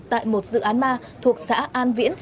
tại một dự án ma thuộc xã an viễn